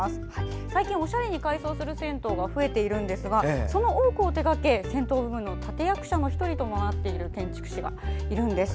最近、おしゃれに改装する銭湯が増えているんですがその多くを手がけ銭湯ブームの立役者の１人となっている建築士がいるんです。